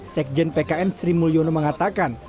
sekjen pkn sri mulyono mengatakan